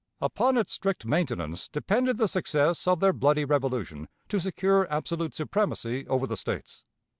Upon its strict maintenance depended the success of their bloody revolution to secure absolute supremacy over the States.